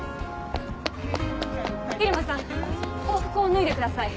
入間さん法服を脱いでください。